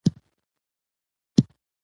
نوم بدول یوه شیبه غواړي.